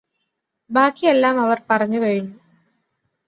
ബാക്കിയെല്ലാം അവർ പറഞ്ഞു കഴിഞ്ഞു.